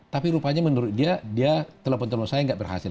tapi rupanya menurut dia dia telepon telepon saya nggak berhasil